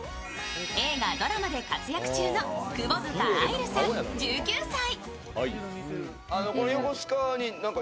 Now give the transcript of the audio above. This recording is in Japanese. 映画・ドラマで活躍中の窪塚愛流さん、１９歳。